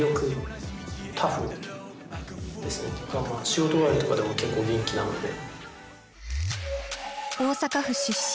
仕事終わりとかでも結構元気なので。